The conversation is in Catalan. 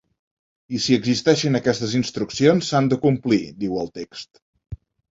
I si existeixen aquestes instruccions, s’han de complir, diu el text.